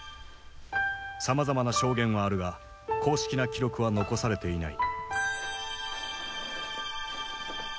さまざまな証言はあるが公式な記録は残されていない。